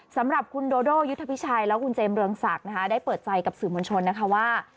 สำหรับคุณโดโดยุทธพิชัยและคุณเจมสเรืองศักดิ์นะคะได้เปิดใจกับสื่อมวลชนนะคะว่า